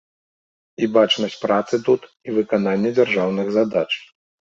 І бачнасць працы тут, і выкананне дзяржаўных задач.